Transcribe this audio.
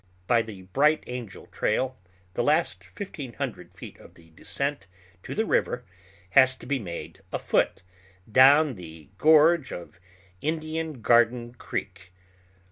By the Bright Angel Trail the last fifteen hundred feet of the descent to the river has to be made afoot down the gorge of Indian Garden Creek.